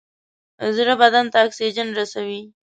زړه بدن ته اکسیجن رسوي.